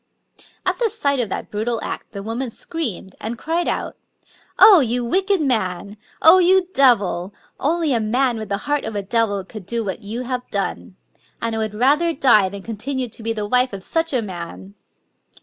At the sight of that brutal act,' the woman screamed, and cried out: —" Oh, you wicked man I Oh, you devil ! Only a man with the heart of a devil could do what you have done !... And I would rather die than continue to be the wife of such a man